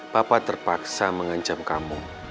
papa terpaksa mengancam kamu